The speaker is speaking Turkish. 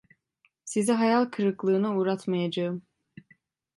Sizi hayal kırıklığına uğratmayacağım.